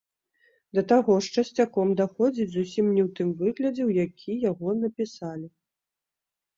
Да таго ж, часцяком, даходзіць зусім не ў тым выглядзе, у які яго напісалі.